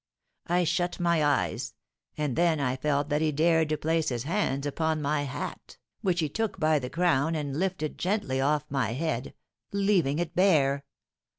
I shut my eyes, and then I felt that he dared to place his hands upon my hat, which he took by the crown and lifted gently off my head, leaving it bare.